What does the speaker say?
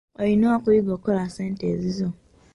Olina okuyiga okukola ssente ezizo.